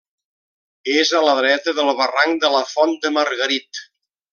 És a la dreta del barranc de la Font de Margarit.